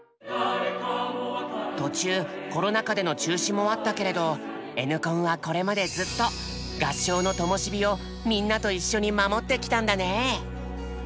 途中コロナ禍での中止もあったけれどＮコンはこれまでずっと合唱のともし火をみんなと一緒に守ってきたんだね。